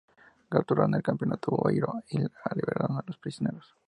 Capturaron el Campamento Boiro y liberaron a los prisioneros.